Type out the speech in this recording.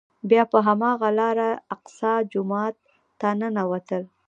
بیا په هماغه لاره الاقصی جومات ته ننوتل.